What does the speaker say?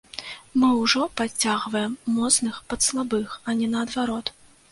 Мы ўжо падцягваем моцных пад слабых, а не наадварот.